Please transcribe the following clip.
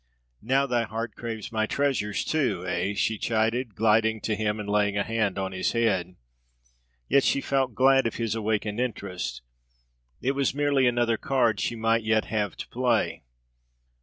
"Now thy heart craves my treasures, too, eh?" she chided, gliding to him and laying a hand on his head. Yet she felt glad of his awakened interest. It was merely another card she might yet have to play.